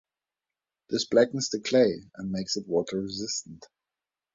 This blackens the clay and makes it water resistant.